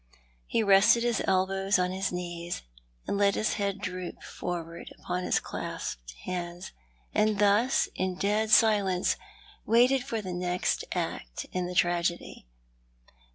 He rested his elbows on his knees, and let his head droop forward upon his clasped hands, and thus, in dead silence, waited for the next act in the tragedy.